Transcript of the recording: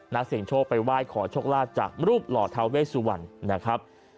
นักเสียงโชคไปไหว้ขอโชคลาภจากรูปหล่อทาเวสุวรรณนะครับ